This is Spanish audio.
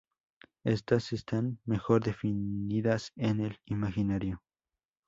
Estas están mejor definidas en el imaginario.